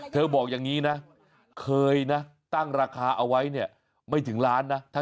บอกอย่างนี้นะเคยนะตั้งราคาเอาไว้เนี่ยไม่ถึงล้านนะ